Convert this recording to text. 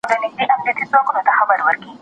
د کوچیانو ژوندانه چارې د دولت ملاتړ ته اړتیا لري.